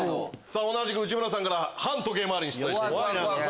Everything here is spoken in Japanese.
同じく内村さんから反時計回りに出題して行きます。